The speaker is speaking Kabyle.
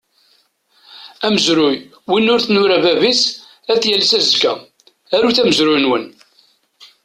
Amezruy win ur t-nura bab-is ad t-yalles azekka, arut amezruy-nwen!